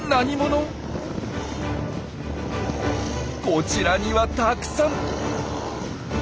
こちらにはたくさん。